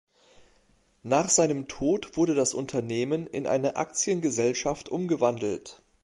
Nach seinem Tod wurde das Unternehmen in eine Aktiengesellschaft umgewandelt.